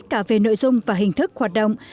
cả về nội dung và hình thức hoạt động